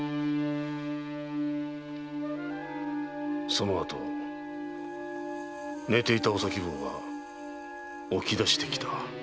その後寝ていたお咲坊が起き出してきた。